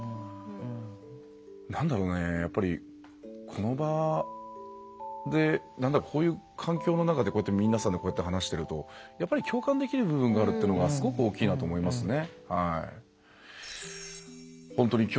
この場でこういう環境の中でこうやって皆さんで話してるとやっぱり共感できる部分があるっていうのがすごく大きいなと思いますね。